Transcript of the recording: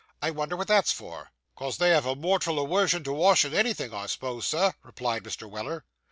I wonder what's that for?' ''Cos they has a mortal awersion to washing anythin', I suppose, Sir,' replied Mr. Weller.